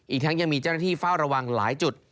อีกทั้งยังมีเจ้าหน้าที่เฝ้าระวังหลายจุด